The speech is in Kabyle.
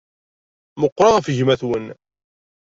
Meqqṛeɣ ɣef gma-twen.